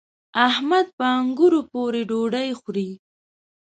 احمد په انګورو پورې ډوډۍ خوري.